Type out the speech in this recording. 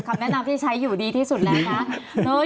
คำแนะนำที่ใช้อยู่ดีที่สุดแล้วนะ